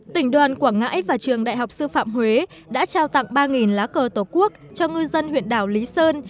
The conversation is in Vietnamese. tỉnh đoàn quảng ngãi và trường đại học sư phạm huế đã trao tặng ba lá cờ tổ quốc cho ngư dân huyện đảo lý sơn